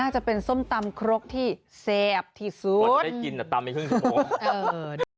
น่าจะเป็นส้มตำครบที่แซ่บที่สุดกว่าจะได้กินแต่ตำไม่ขึ้นทุกโมง